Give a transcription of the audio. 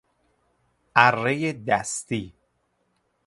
ارهی دستی